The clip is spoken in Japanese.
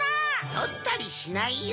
とったりしないよ。